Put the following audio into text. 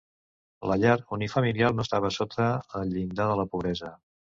La llar unifamiliar no estava sota el llindar de la pobresa.